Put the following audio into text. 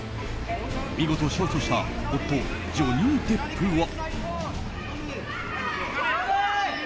見事勝訴した夫ジョニー・デップは。